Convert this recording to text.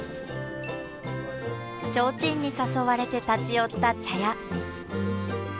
ちょうちんに誘われて立ち寄った茶屋。